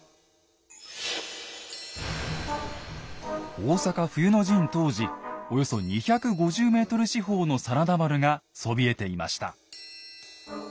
大坂冬の陣当時およそ２５０ｍ四方の真田丸がそびえていました。